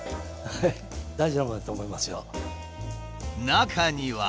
中には。